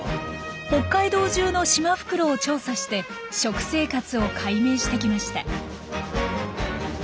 北海道じゅうのシマフクロウを調査して食生活を解明してきました。